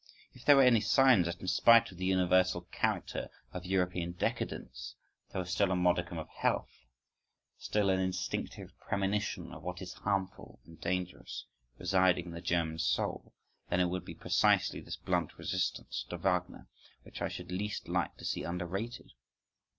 If there were any signs that in spite of the universal character of European decadence there was still a modicum of health, still an instinctive premonition of what is harmful and dangerous, residing in the German soul, then it would be precisely this blunt resistance to Wagner which I should least like to see underrated.